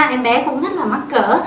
em bé cũng rất là mắc cỡ